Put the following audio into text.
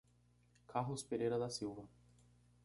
Carlos Pereira da Silva